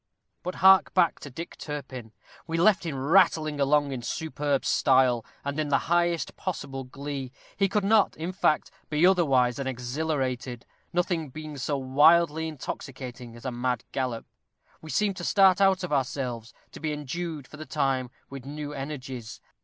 But hark back to Dick Turpin. We left him rattling along in superb style, and in the highest possible glee. He could not, in fact, be otherwise than exhilarated; nothing being so wildly intoxicating as a mad gallop. We seem to start out of ourselves to be endued, for the time, with new energies.